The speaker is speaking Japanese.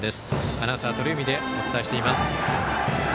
アナウンサー、鳥海でお伝えしています。